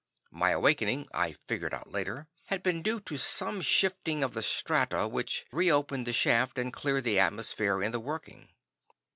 My awakening, I figured out later, had been due to some shifting of the strata which reopened the shaft and cleared the atmosphere in the working.